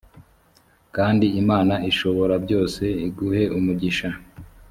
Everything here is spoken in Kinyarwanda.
kandi imana ishoborabyose iguhe umugisha